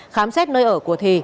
khám xét nơi ở của thì